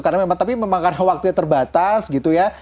karena memang tapi memang karena waktunya terbatas gitu ya